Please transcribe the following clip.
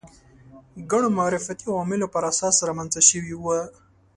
ګڼو معرفتي عواملو پر اساس رامنځته شوي وو